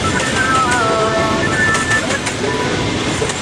নিরাপত্তার কথা বিবেচনা করে গারুদা ইন্দোনেশিয়া ফ্লাইটটি দেরিতে ছাড়ার সিদ্ধান্ত নেয়।